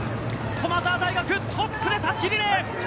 駒澤大学トップでたすきリレー！